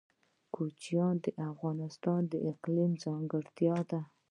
کوچیان د افغانستان د اقلیم ځانګړتیا ده.